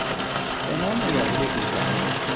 به نام و یاری ایزد